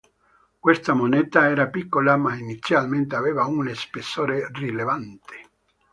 Questa moneta era piccola ma inizialmente aveva uno spessore rilevante.